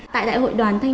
tại đại hội đoàn thành